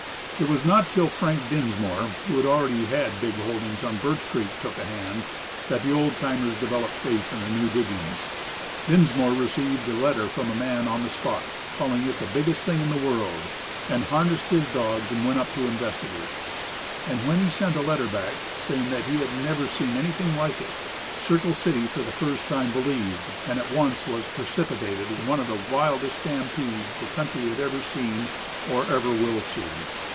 It was not till Frank Dinsmore, who already had big holdings on Birch Creek, took a hand, that the old timers developed faith in the new diggings. Dinsmore received a letter from a man on the spot, calling it "the biggest thing in the world," and harnessed his dogs and went up to investigate. And when he sent a letter back, saying that he had never seen "anything like it," Circle City for the first time believed, and at once was precipitated one of the wildest stampedes the country had ever seen or ever will see.